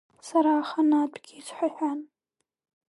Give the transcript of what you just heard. Сара аханатәгьы исҳәахьан…